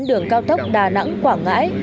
đường cao tốc đà nẵng quảng ngãi